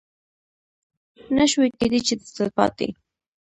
نه شوای کېدی چې د تلپاتې